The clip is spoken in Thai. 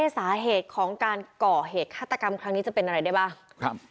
สาเหตุของการก่อเหตุฆาตกรรมครั้งนี้จะเป็นอะไรได้บ้าง